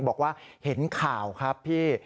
บอกว่าเห็นข่าวครับพี่